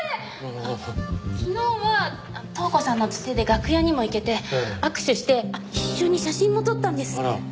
昨日は塔子さんのツテで楽屋にも行けて握手して一緒に写真も撮ったんです。